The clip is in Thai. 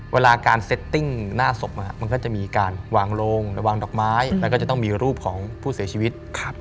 เวลาการเซตติ้งหน้าศพมันก็จะมีการวางโลงวางดอกไม้แล้วก็จะต้องมีรูปของผู้เสียชีวิต